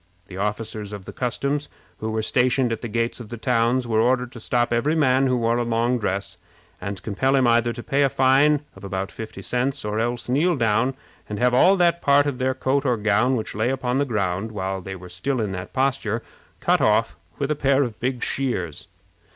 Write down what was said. The officers of the customs, who were stationed at the gates of the towns, were ordered to stop every man who wore a long dress, and compel him either to pay a fine of about fifty cents, or else kneel down and have all that part of their coat or gown which lay upon the ground, while they were in that posture, cut off with a pair of big shears.